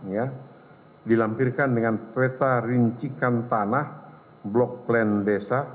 ya dilampirkan dengan peta rincikan tanah blok plan desa